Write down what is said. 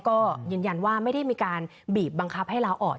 ก็ยืนยันว่าไม่ได้มีการบีบบังคับให้ลาออก